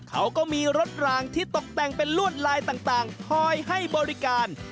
เขาก็มีรถรางที่ตกแต่งเป็นลวดลายต่างคอยให้บริการ